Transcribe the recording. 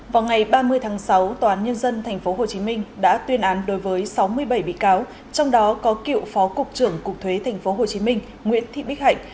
vào ngày ba mươi tháng sáu tòa án nhân dân tp hcm đã tuyên án đối với sáu mươi bảy bị cáo trong đó có cựu phó cục trưởng cục thuế tp hcm nguyễn thị bích hạnh